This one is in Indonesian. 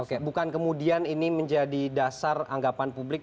oke bukan kemudian ini menjadi dasar anggapan publik